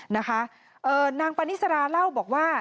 นะคะนางผานิสราเล่าบอกว่า